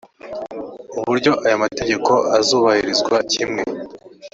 uburyo aya mategeko azubahirizwa kimwe